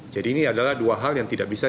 jadi ini adalah dua hal yang tidak bisa